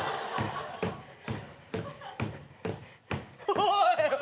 おい！